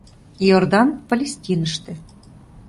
Иордан — Палестиныште.